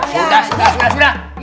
sudah sudah sudah